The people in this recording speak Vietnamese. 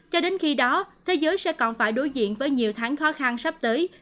cho đến khi đó thế giới sẽ còn phải đối diện với nhiều tháng khó khăn sắp tới